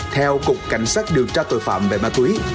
theo cục cảnh sát điều tra tội phạm về ma túy